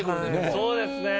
そうですね。